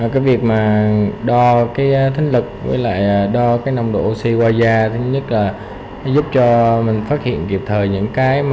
cái việc mà đo cái thính lực với lại đo cái nông độ oxy qua da thứ nhất là giúp cho mình phát hiện kịp thời những cái mà